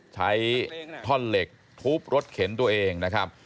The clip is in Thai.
ใช้ท่อนเหล็กทุบรถเข็นตัวเองนะครับ